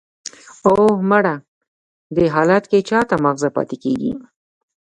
"اوه، مړه! دې حالت کې چا ته ماغزه پاتې کېږي!"